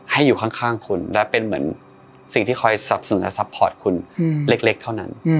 ให้อยู่ข้างคุณและเป็นเหมือนสิ่งที่คอยสนับสนุนซัพพอร์ตคุณเล็กเท่านั้น